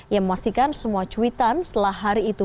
ia memastikan semua cuitan setelah hari itu